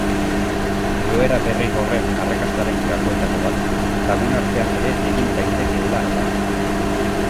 Joera berri horren arrakastaren gakoetako bat lagunartean ere egin daitekeela da.